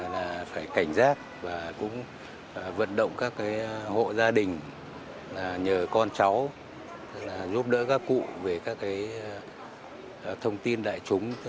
là phải cảnh giác và cũng vận động các hộ gia đình nhờ con cháu giúp đỡ các cụ về các thông tin đại chúng